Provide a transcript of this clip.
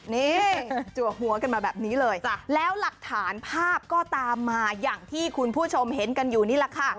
นี่จัวหัวกันมาแบบนี้เลยแล้วหลักฐานภาพก็ตามมาอย่างที่คุณผู้ชมเห็นกันอยู่นี่แหละค่ะ